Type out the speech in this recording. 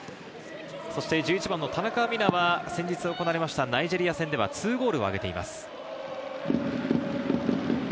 １１番の田中美南は先日行われたナイジェリア戦で２ゴールをあげています。